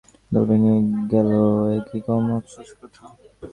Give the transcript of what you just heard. এখন বিনয়ের মতো ছেলে তোমার দল ভেঙে গেল এ কি কম আপসোসের কথা!